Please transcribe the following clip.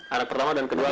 anak pertama dan kedua